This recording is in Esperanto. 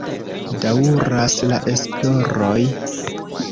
Daŭras la esploroj.